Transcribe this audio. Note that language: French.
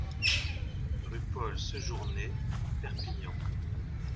Rue Paul Sejourné, Perpignan